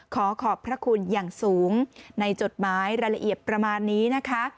ขอขอบพระคุณอย่างสูงในจดหมายรายละเอียดประมาณนี้นะคะ